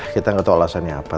kita gak tau alasannya apa